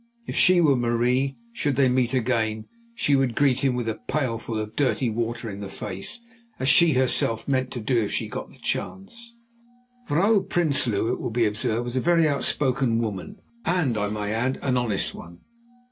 If she were Marie, should they meet again, she would greet him with a pailful of dirty water in the face, as she herself meant to do if she got the chance. Vrouw Prinsloo, it will be observed, was a very outspoken woman and, I may add, an honest one.